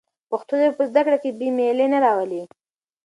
پښتو ژبه په زده کړه کې بې میلي نه راولي.